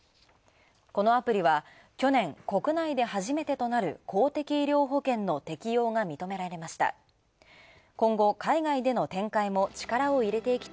このアプリは去年、国内で初めてとなる公的医療保険の適用が認められました。